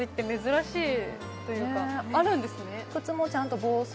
あるんですね